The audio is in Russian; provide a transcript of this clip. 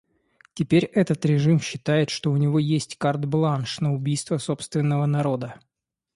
Теперь этот режим считает, что у него есть карт-бланш на убийство собственного народа.